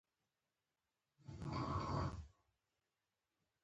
احمد د علي پرده واخيسته.